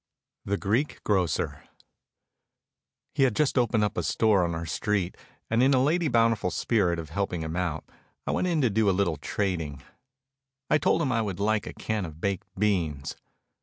The Greek Grocer He had just opened a store on our street and in a Lady Bountiful spirit of helping him out, I went in to do a little trading. I told him I would like a can of baked beans.